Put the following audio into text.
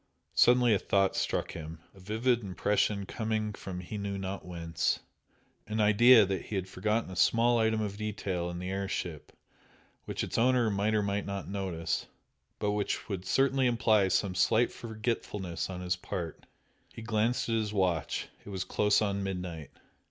Suddenly a thought struck him, a vivid impression coming from he knew not whence an idea that he had forgotten a small item of detail in the air ship which its owner might or might not notice, but which would certainly imply some slight forgetfulness on his part. He glanced at his watch, it was close on midnight.